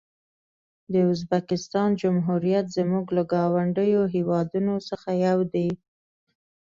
د ازبکستان جمهوریت زموږ له ګاونډیو هېوادونو څخه یو دی.